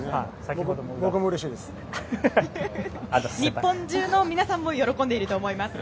日本中の皆さんも喜んでいると思います。